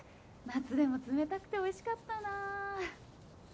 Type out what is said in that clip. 夏でも冷たくておいしかったな。